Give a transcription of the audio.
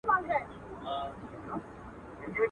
د همزولو له ټولۍ سره به سيال واى.